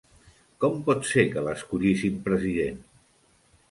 Com pot ser que l'escollissin president?